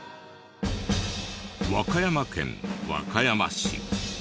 和歌山県和歌山市。